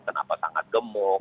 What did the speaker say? kenapa sangat gemuk